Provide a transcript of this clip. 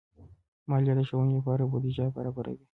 مالیه د ښوونې لپاره بودیجه برابروي.